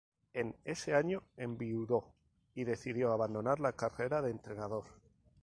En ese año enviudó y decidió abandonar la carrera de entrenador.